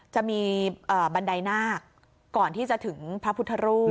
จะมีบันไดนาคก่อนที่จะถึงพระพุทธรูป